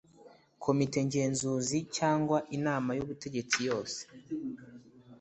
komitengenzuzi cyangwa inama y ubutegetsi yose